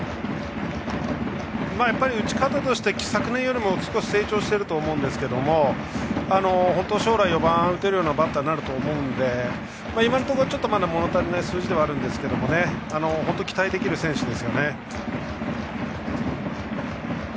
打ち方として、昨年よりも少し成長していると思いますが将来４番を打てるようなバッターになれると思うので今のところ、まだ物足りない数字ではありますが本当に期待できる選手ですよね。